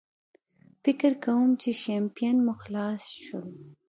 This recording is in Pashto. فکر کوم چې شیمپین مو خلاص شول.